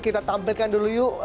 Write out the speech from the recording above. kita tampilkan dulu yuk